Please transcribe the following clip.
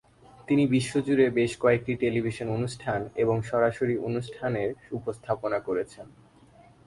তিনি বিশ্বজুড়ে বেশ কয়েকটি টেলিভিশন অনুষ্ঠান এবং সরাসরি অনুষ্ঠানের উপস্থাপনা করেছেন।